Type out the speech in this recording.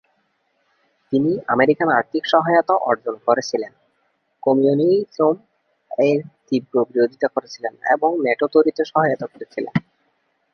তিনি আমেরিকান আর্থিক সহায়তা অর্জন করেছিলেন, কমিউনিজম এর তীব্র বিরোধিতা করেছিলেন এবং ন্যাটো তৈরিতে সহায়তা করেছিলেন।